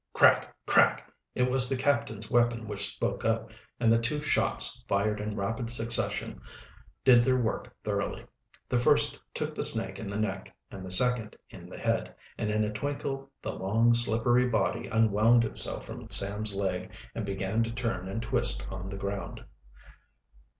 Crack! crack! It was the captain's weapon which spoke up, and the two shots, fired in rapid succession, did their work thoroughly. The first took the snake in the neck and the second in the head, and in a twinkle the long, slippery body unwound itself from Sam's leg and began to turn and twist on the ground.